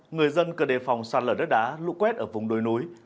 người dân cần đề phòng sàn lở đất đá lụ quét ở vùng đồi núi